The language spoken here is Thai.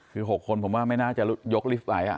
คือ๖คนผมว่าไม่น่าจะยกลิฟต์ไว้